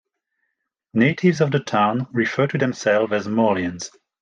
Natives of the town refer to themselves as Morleians.